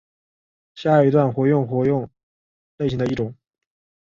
下一段活用活用类型的一种。